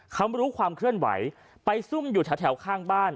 เขารู้ความเคลื่อนไหวไปซุ่มอยู่แถวข้างบ้าน